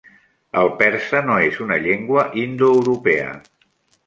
El persa no és una llengua indoeuropea.